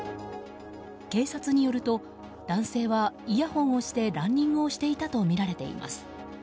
警察によると男性はイヤホンをしてランニングをしていたとみられています。